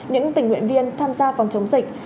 những tình nguyện viên tham gia phòng chống dịch